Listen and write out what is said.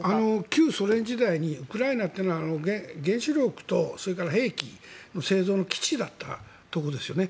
旧ソ連時代にウクライナというのは原子力とそれから兵器の製造の基地だったところですよね。